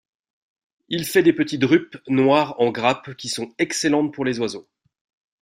Il fait des petites drupes noires en grappes qui sont excellentes pour les oiseaux.